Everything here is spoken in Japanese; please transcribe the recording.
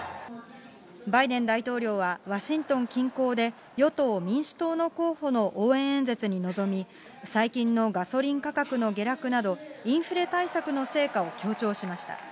バイデン大統領は、ワシントン近郊で与党・民主党の候補の応援演説に臨み、最近のガソリン価格の下落など、インフレ対策の成果を強調しました。